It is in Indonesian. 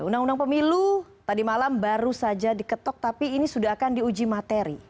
undang undang pemilu tadi malam baru saja diketok tapi ini sudah akan diuji materi